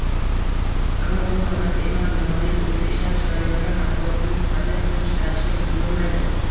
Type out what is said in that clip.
Ammo bu hammasi emas – monopolist o‘zi ishlab chiqarayotgan mahsulotini sifatli qilib chiqarishga urinmaydi